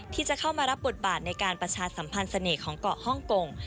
ที่จะเข้ามารับบทบาทในการประชาสัมพันธ์เสน่ห์ของเกาะฮ่องกง